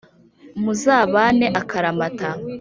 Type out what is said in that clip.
muzabane akaramata